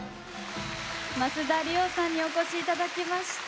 増田吏桜さんにお越しいただきました。